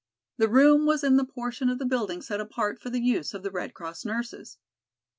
The room was in the portion of the building set apart for the use of the Red Cross nurses.